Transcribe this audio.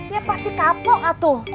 ya pasti kapok atuh